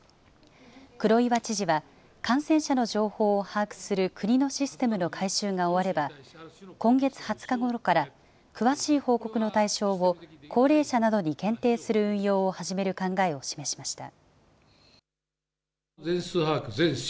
黒岩知事は、感染者の情報を把握する国のシステムの改修が終われば、今月２０日ごろから、詳しい報告の対象を高齢者などに限定する運用を始める考えを示しました。